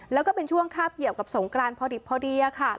แล้วก็เป็นช่วงคาบเหยียบกับสงกรานท์พอดีแน่